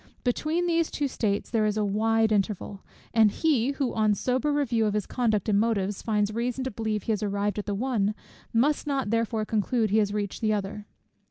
Between these two states there is a wide interval, and he who, on a sober review of his conduct and motives, finds reason to believe he has arrived at the one, must not therefore conclude he has reached the other.